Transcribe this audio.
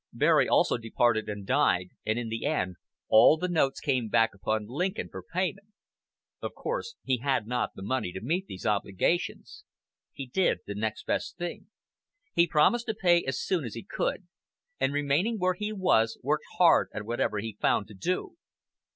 Berry also departed and died; and in the end all the notes came back upon Lincoln for payment. Of course he had not the money to meet these obligations. He did the next best thing: he promised to pay as soon as he could, and remaining where he was, worked hard at whatever he found to do.